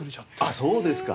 あっそうですか。